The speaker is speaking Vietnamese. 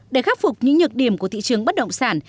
để khắc phục những nhược điểm của thị trường bất động sản